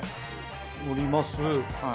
折ります。